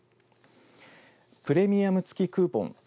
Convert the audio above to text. プレミアム付きクーポン